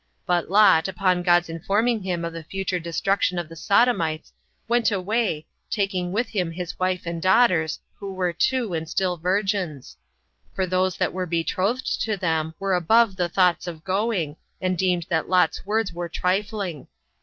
But Lot, upon God's informing him of the future destruction of the Sodomites, went away, taking with him his wife and daughters, who were two, and still virgins; for those that were betrothed 21 to them were above the thoughts of going, and deemed that Lot's words were trifling.